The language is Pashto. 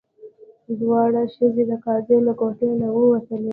دواړه ښځې د قاضي له کوټې نه ووتلې.